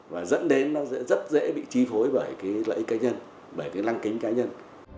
và dẫn đến nó rất dễ bị chi phối bởi cái lãnh kính cá nhân